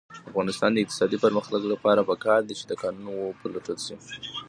د افغانستان د اقتصادي پرمختګ لپاره پکار ده چې کانونه وپلټل شي.